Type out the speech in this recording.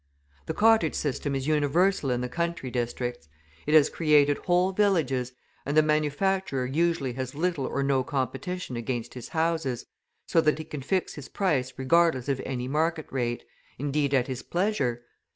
The cottage system is universal in the country districts; it has created whole villages, and the manufacturer usually has little or no competition against his houses, so that he can fix his price regardless of any market rate, indeed at his pleasure.